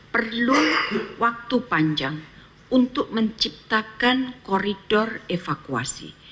perlu waktu panjang untuk menciptakan koridor evakuasi